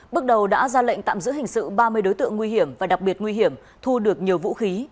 bước đầu đã ra lệnh tạm giữ hình sự ba mươi đối tượng nguy hiểm và đặc biệt nguy hiểm thu được nhiều vũ khí